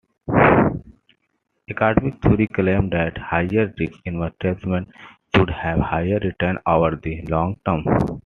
Academic theory claims that higher-risk investments should have higher returns over the "long-term".